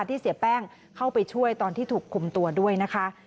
ที่เสียแป้งเข้าไปช่วยตอนที่ถูกคุมตัวด้วยนะคะ